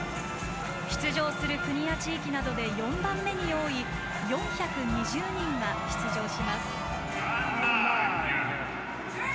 出場する国や地域などで４番目に多い４２０人が出場します。